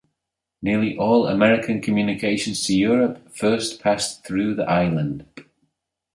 Nearly all American communications to Europe first passed through the island.